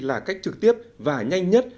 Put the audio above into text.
là cách trực tiếp và nhanh nhất